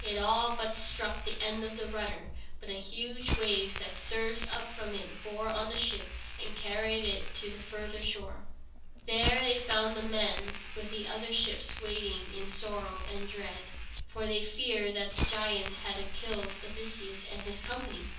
It all but struck the end of the rudder, but the huge waves that surged up from it bore on the ship, and carried it to the further shore. There they found the men with the other ships waiting in sorrow and dread, for they feared that the giants had killed Odysseus and his company.